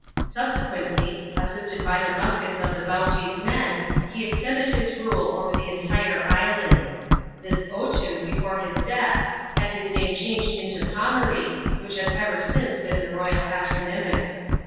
Subsequently, assisted by the muskets of the Bounty's men, he extended his rule over the entire island. This Otoo, before his death, had his name changed into Pomaree, which has ever since been the royal patronymic.